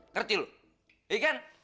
ngerti lu iya kan